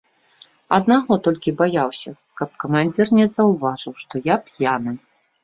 Аднаго толькі баяўся, каб камандзір не заўважыў, што я п'яны.